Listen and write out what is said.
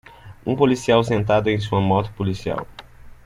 Um policial sentado em sua moto policial.